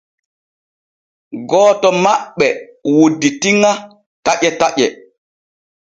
Gooto maɓɓe wudditi ŋa taƴe taƴe.